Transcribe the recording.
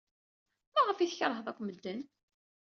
Maɣef ay tkeṛhed akk medden?